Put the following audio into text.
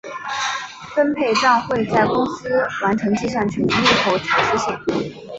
分配帐会在公司完成计算纯利后才出现。